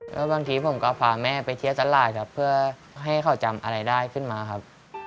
แล้วบางทีผมก็พาแม่ไปเที่ยวตลาดครับเพื่อให้เขาจำอะไรได้ขึ้นมาครับ